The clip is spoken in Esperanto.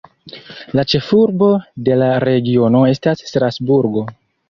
La ĉefurbo de la regiono estas Strasburgo.